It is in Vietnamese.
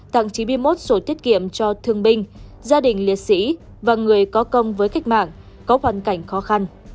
tặng chín mươi một sổ tiết kiệm cho thương binh gia đình liệt sĩ và người có công với cách mạng có hoàn cảnh khó khăn